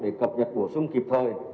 để cập nhật bổ sung kịp thời